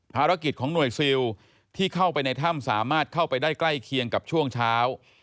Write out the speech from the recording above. ภารกิจของหน่วยซิลที่เข้าไปในถ้ำสามารถเข้าไปได้ใกล้เคียงกับช่วงเช้า